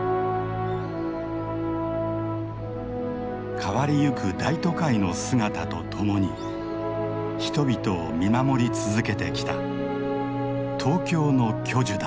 変わりゆく大都会の姿とともに人々を見守り続けてきた東京の巨樹だ。